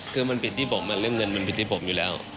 คือมันผิดที่ผมเรื่องเงินมันผิดที่ผมอยู่แล้ว